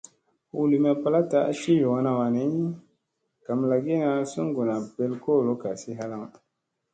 Hu lima palaɗta a ci yoonada wanni gamlagiina suŋguna ɓel kolo kasi halaŋ.